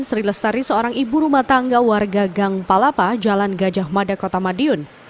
sri lestari seorang ibu rumah tangga warga gang palapa jalan gajah mada kota madiun